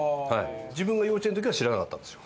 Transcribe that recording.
自分が幼稚園の時は知らなかったんですよ。